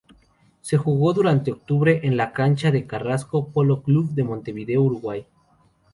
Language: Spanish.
Se jugó durante octubre en la cancha de Carrasco Polo Club de Montevideo, Uruguay.